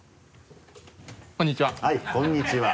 こんにちは。